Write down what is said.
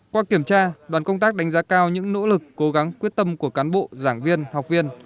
qua kiểm tra đoàn công tác đánh giá cao những nỗ lực cố gắng quyết tâm của cán bộ giảng viên học viên